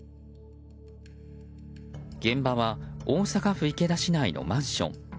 現場は大阪府池田市内のマンション。